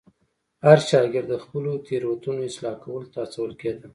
هر شاګرد د خپلو تېروتنو اصلاح کولو ته هڅول کېده.